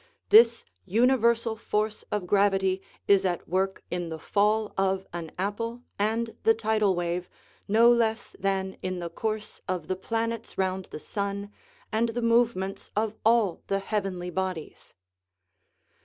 This universal force of gravity is at work in the fall of an apple and the tidal wave no less than in the course of the planets round the sun and the movements of all the heavenly bodies.